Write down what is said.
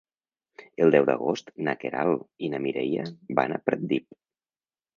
El deu d'agost na Queralt i na Mireia van a Pratdip.